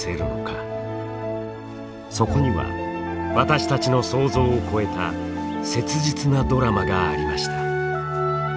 そこには私たちの想像を超えた切実なドラマがありました。